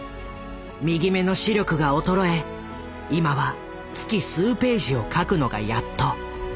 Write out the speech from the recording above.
右目の視力が衰え今は月数ページを描くのがやっと。